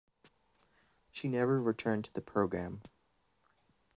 She never returned to the programme.